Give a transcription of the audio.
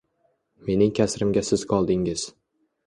Mening kasrimga siz qoldingiz!